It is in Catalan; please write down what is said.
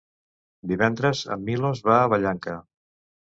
Divendres en Milos va a Vallanca.